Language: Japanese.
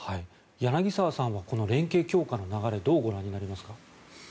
柳澤さんはこの連携強化の流れをどうご覧になりますか。